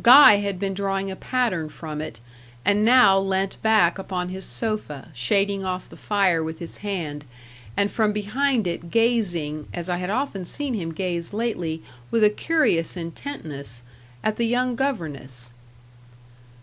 Guy had been drawing a pattern from it, and now leant back upon his sofa, shading off the fire with his hand, and from behind it gazing, as I had often seen him gaze lately, with a curious intentness at the young governess.